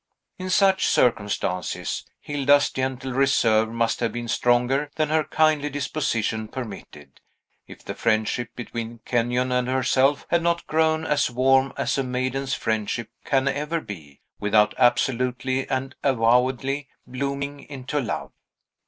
In such circumstances, Hilda's gentle reserve must have been stronger than her kindly disposition permitted, if the friendship between Kenyon and herself had not grown as warm as a maiden's friendship can ever be, without absolutely and avowedly blooming into love.